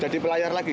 jadi pelayar lagi